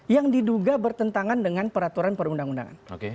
yang diduga bertentangan dengan peraturan perundang undangan